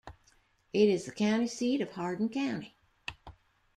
It is the county seat of Hardin County.